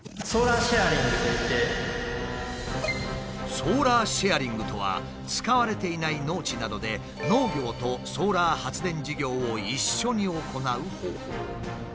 「ソーラーシェアリング」とは使われていない農地などで農業とソーラー発電事業を一緒に行う方法。